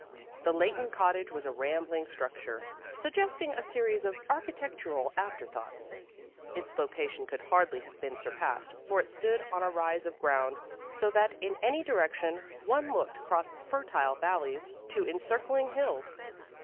The Leighton cottage was a rambling structure, suggesting a series of architectural after thoughts. Its location could hardly have been surpassed, for it stood on a rise of ground so that in any direction one looked across fertile valleys to encircling hills.